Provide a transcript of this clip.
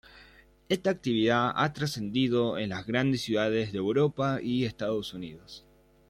Esta actividad ha trascendido en las grandes ciudades de Europa y Estados Unidos.